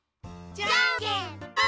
じゃんけんぽん！